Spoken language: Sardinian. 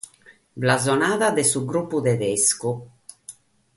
Blasonada de su grupu tedescu.